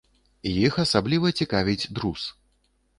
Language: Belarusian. Іх асабліва цікавіць друз.